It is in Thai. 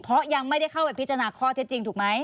เพราะยังไม่ได้เข้าไปพิจารณาข้อเท็จจริงถูกไหม